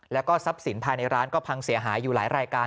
แล้วก็ทรัพย์สินภายในร้านก็พังเสียหายอยู่หลายรายการ